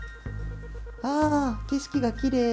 ああ景色がきれい。